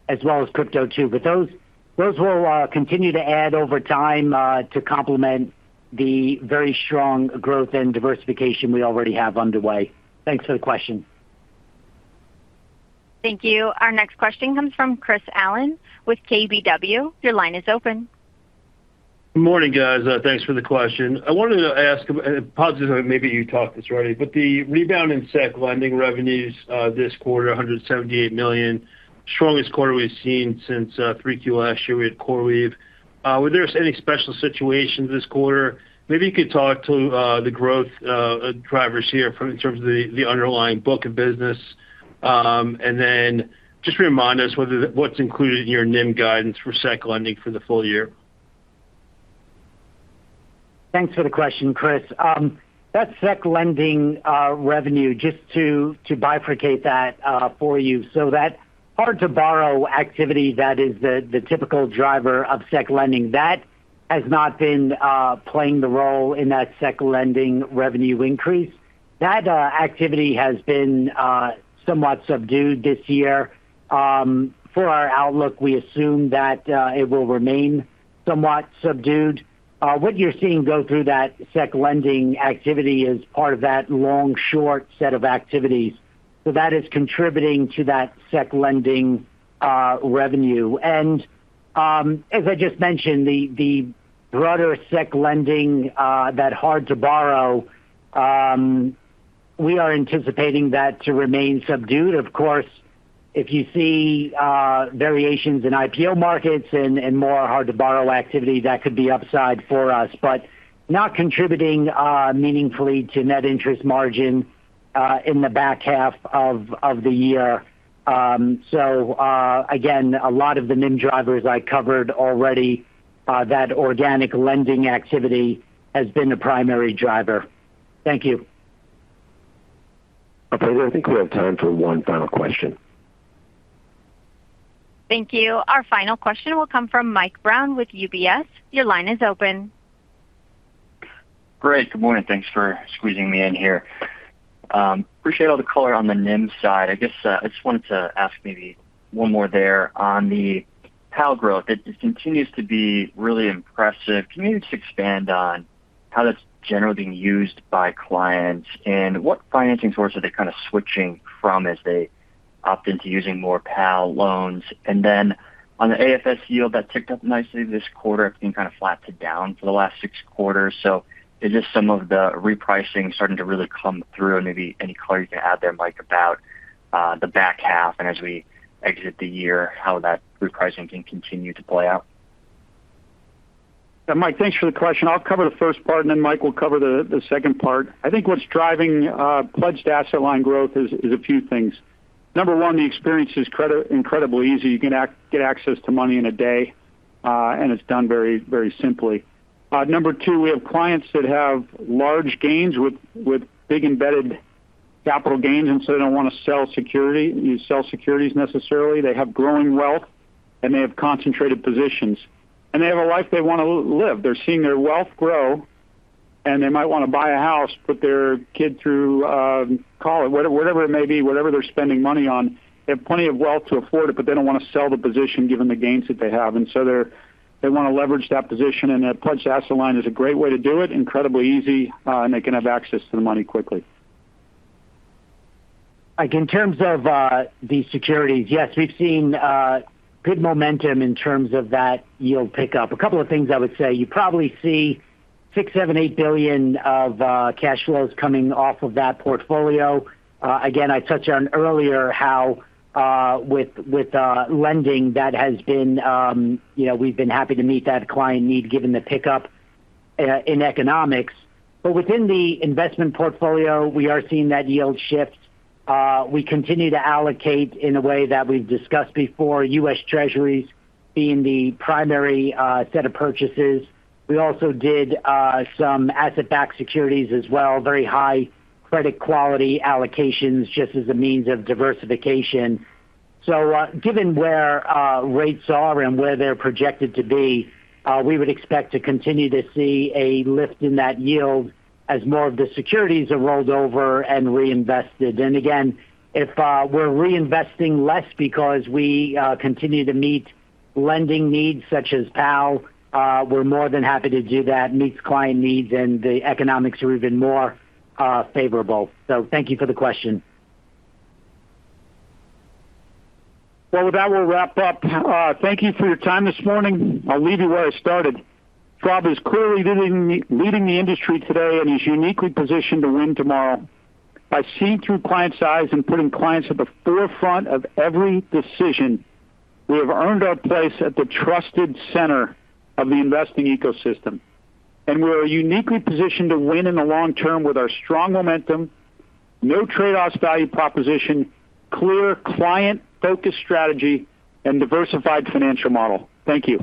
as well as crypto too. Those will continue to add over time to complement the very strong growth and diversification we already have underway. Thanks for the question. Thank you. Our next question comes from Chris Allen with KBW. Your line is open. Good morning, guys. Thanks for the question. I wanted to ask, possibly, maybe you talked this already, the rebound in securities lending revenues this quarter, $178 million, strongest quarter we've seen since 3Q last year with core lead. Were there any special situations this quarter? Maybe you could talk to the growth drivers here in terms of the underlying book of business. Then just remind us what's included in your NIM guidance for securities lending for the full year. Thanks for the question, Chris. That securities lending revenue, just to bifurcate that for you, that hard-to-borrow activity that is the typical driver of securities lending, that has not been playing the role in that securities lending revenue increase. That activity has been somewhat subdued this year. For our outlook, we assume that it will remain somewhat subdued. What you're seeing go through that securities lending activity is part of that long-short set of activities. That is contributing to that securities lending revenue. As I just mentioned, the broader securities lending that hard-to-borrow we are anticipating that to remain subdued. Of course, if you see variations in IPO markets and more hard-to-borrow activity, that could be upside for us, but not contributing meaningfully to net interest margin in the back half of the year. Again, a lot of the NIM drivers I covered already that organic lending activity has been the primary driver. Thank you. Operator, I think we have time for one final question. Thank you. Our final question will come from Mike Brown with UBS. Your line is open. Great. Good morning. Thanks for squeezing me in here. Appreciate all the color on the NIM side. I guess I just wanted to ask maybe one more there on the PAL growth. It continues to be really impressive. Can you just expand on how that's generally being used by clients and what financing source are they kind of switching from as they opt into using more PAL loans? Then on the AFS yield that ticked up nicely this quarter. It's been kind of flat to down for the last six quarters. Is this some of the repricing starting to really come through? And maybe any color you can add there, Mike, about the back half and as we exit the year, how that repricing can continue to play out. Mike, thanks for the question. I'll cover the first part and then Mike will cover the second part. I think what's driving Pledged Asset Line growth is a few things. Number one, the experience is incredibly easy. You can get access to money in a day and it's done very simply. Number two, we have clients that have large gains with big embedded capital gains. They don't want to sell securities necessarily. They have growing wealth, and they have concentrated positions, and they have a life they want to live. They're seeing their wealth grow, and they might want to buy a house, put their kid through college, whatever it may be, whatever they're spending money on. They have plenty of wealth to afford it, but they don't want to sell the position given the gains that they have. They want to leverage that position, and that Pledged Asset Line is a great way to do it. Incredibly easy and they can have access to the money quickly. Mike, in terms of the securities, yes, we've seen good momentum in terms of that yield pickup. A couple of things I would say. You probably see $6 billion, $7 billion, $8 billion of cash flows coming off of that portfolio. Again, I touched on earlier how with lending that has been we've been happy to meet that client need given the pickup in economics. Within the investment portfolio, we are seeing that yield shift. We continue to allocate in a way that we've discussed before, U.S. Treasuries being the primary set of purchases. We also did some asset-backed securities as well, very high credit quality allocations, just as a means of diversification. Given where rates are and where they're projected to be we would expect to continue to see a lift in that yield as more of the securities are rolled over and reinvested. Again, if we're reinvesting less because we continue to meet lending needs such as PAL we're more than happy to do that. Meets client needs and the economics are even more favorable. Thank you for the question. Well, with that, we'll wrap up. Thank you for your time this morning. I'll leave you where I started. Schwab is clearly leading the industry today and is uniquely positioned to win tomorrow by seeing through client's eyes and putting clients at the forefront of every decision. We have earned our place at the trusted center of the investing ecosystem. We are uniquely positioned to win in the long term with our strong momentum, no trade-offs value proposition, clear client-focused strategy, and diversified financial model. Thank you.